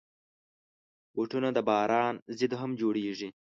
بوټونه د باران ضد هم جوړېږي.